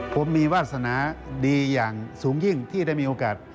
ผมมีวาสนาดีอย่างสูงยิ่งที่ได้มีโอกาส